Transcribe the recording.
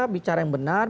bicara yang benar